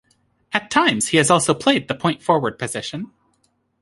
At times he has also played the point forward position.